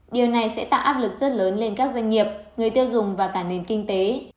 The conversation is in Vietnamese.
điều này sẽ tạo áp lực rất lớn lên các doanh nghiệp người tiêu dùng và cả nền kinh tế